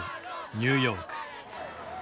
ニューヨーク。